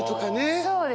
そうですね。